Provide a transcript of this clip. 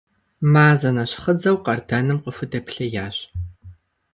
Мазэ нэщхъыдзэу къардэным къыхудэплъеящ.